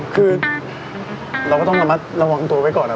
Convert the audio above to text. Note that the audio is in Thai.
คือเราก็ต้องระมัดระวังตัวไว้ก่อน